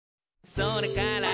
「それから」